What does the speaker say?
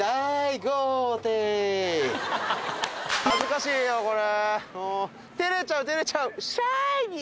恥ずかしいよこれ。